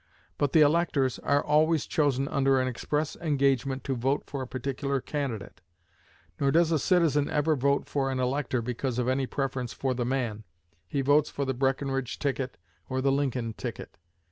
But the electors are always chosen under an express engagement to vote for a particular candidate; nor does a citizen ever vote for an elector because of any preference for the man; he votes for the Breckinridge ticket or the Lincoln ticket.